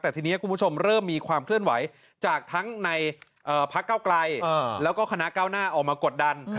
แต่ทีนี้คุณผู้ชมเริ่มมีความเคลื่อนไหวจากทั้งในพักเก้าไกลแล้วก็คณะเก้าหน้าออกมากดดัน